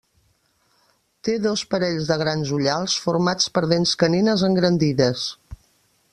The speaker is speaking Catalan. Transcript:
Té dos parells de grans ullals formats per dents canines engrandides.